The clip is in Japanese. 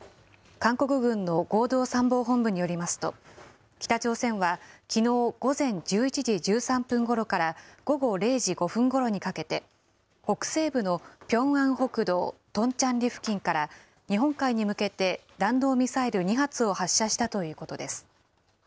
韓国軍の合同参謀本部によりますと、北朝鮮はきのう午前１１時１３分ごろから午後０時５分ごろにかけて、北西部のピョンアン北道トンチャンリ付近から、日本海に向けて弾道ミサイル２発を発射したということです。